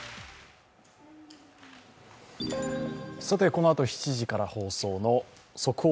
このあと７時から放送の速報！